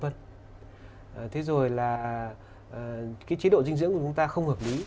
thế rồi là cái chế độ dinh dưỡng của chúng ta không hợp lý